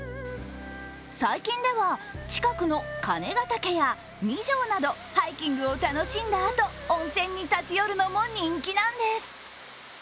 最近では近くの鐘ヶ嶽や見城などハイキングを楽しんだあと温泉に立ち寄るもの人気なんです。